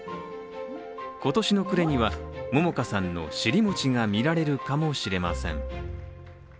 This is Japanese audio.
今年の暮れには桃花さんの「尻餅」が見られるかもしれません。